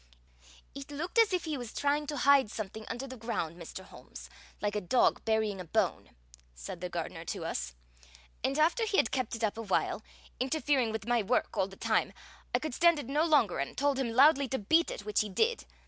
"It looked as if he was trying to hide something under the ground, Mr. Holmes, like a dog burying a bone," said the gardener to us; "and after he had kept it up awhile, interfering with my work all the time, I could stand it no longer and told him loudly to beat it, which he did.